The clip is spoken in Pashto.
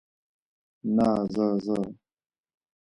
نه، زه، زه.